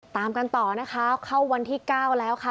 ตามกันต่อนะคะเข้าวันที่๙แล้วค่ะ